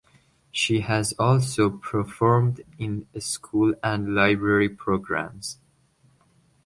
She has also performed in school and library programs.